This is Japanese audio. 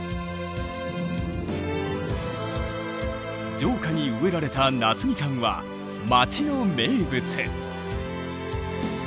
城下に植えられた夏みかんは町の名物。